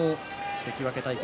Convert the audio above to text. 関脇対決